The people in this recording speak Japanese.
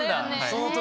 その時。